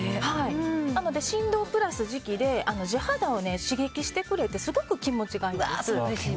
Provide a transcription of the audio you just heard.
なので振動プラス磁気で地肌を刺激してくれてすごく気持ちがいいんですよね。